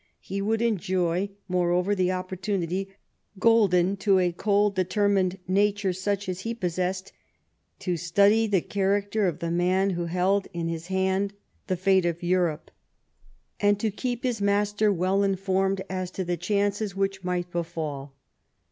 He would enjoy, moreover, the opportunity — golden to a cold, determined nature such as he possessed — to study the character of the man who held in his hand the fate of Europe, and to keep his 18 LIFE OF PBINCE 3IETTEBNICR. master well informed as to the chances which might befall.